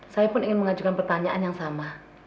saya pun ingin mengajukan pertanyaan yang sama